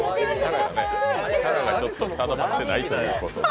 キャラが固まってないということで。